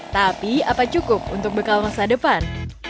tapi apa cukup untuk bekal masa depan